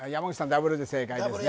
ダブルで正解ですね